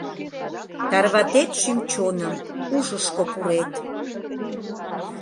Тарватет шӱм-чоным, Ушышко пурет.